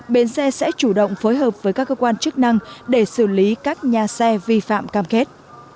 bến xe sẽ chủ động phối hợp với các cơ quan chức năng để xử lý các nhà xe vi phạm cam kết